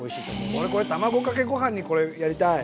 俺これ卵かけご飯にこれやりたい！